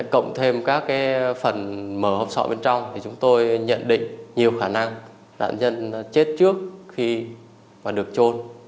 cộng thêm các phần mở hộp sọ bên trong thì chúng tôi nhận định nhiều khả năng nạn nhân chết trước khi và được trôn